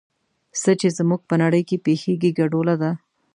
څه چې زموږ په نړۍ کې پېښېږي ګډوله ده.